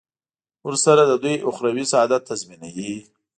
ورسره د دوی اخروي سعادت تضمینوي.